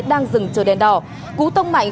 đang dừng chờ đèn đỏ cú tông mạnh